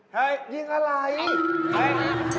เฮ้ยยิงอะไร